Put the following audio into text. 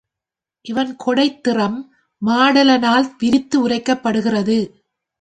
இவன் கொடைத் திறம் மாடலனால் விரித்து உரைக்கப்படுகிறது.